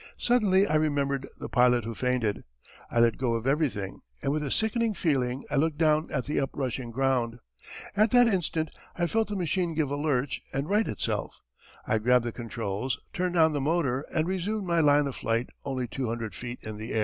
Suddenly I remembered the pilot who fainted. I let go of everything, and with a sickening feeling I looked down at the up rushing ground. At that instant I felt the machine give a lurch and right itself. I grabbed the controls, turned on the motor, and resumed my line of flight only two hundred feet in the air.